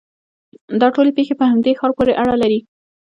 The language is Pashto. دا ټولې پېښې په همدې ښار پورې اړه لري.